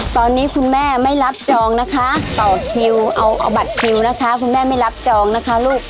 ตอนนี้คุณแม่ไม่รับจองนะคะต่อคิวเอาบัตรคิวนะคะคุณแม่ไม่รับจองนะคะลูก